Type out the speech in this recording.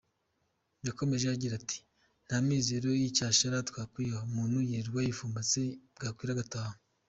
Yakomeje agira ati « nta mizero y'icyashara twakwiha, umuntu yirirwa yipfumbase bwakwira agataha.